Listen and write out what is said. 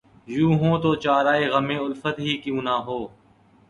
یوں ہو‘ تو چارۂ غمِ الفت ہی کیوں نہ ہو